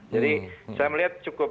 jadi saya melihat cukup